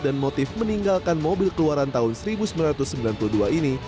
dan motif meninggalkan mobil keluaran tahun seribu sembilan ratus sembilan puluh dua ini